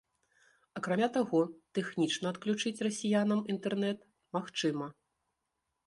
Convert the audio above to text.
Акрамя таго, тэхнічна адключыць расіянам інтэрнэт магчыма.